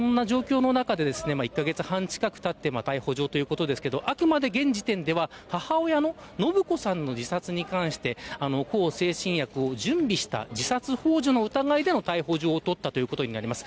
１カ月半近くがたって逮捕状ということですがあくまで現時点では母親の延子さんの自殺に関して向精神薬を準備した自殺ほう助の疑いで逮捕状を取ったということになります。